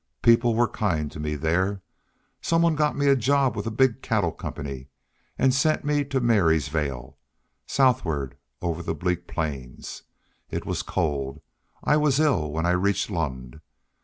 People were kind to me there. Some one got me a job with a big cattle company, and sent me to Marysvale, southward over the bleak plains. It was cold; I was ill when I reached Lund.